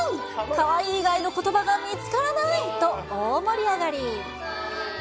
かわいい以外のことばが見つからないと、大盛り上がり。